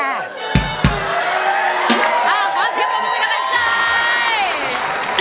ขอเสียบรวมคุณไปกำลังใจ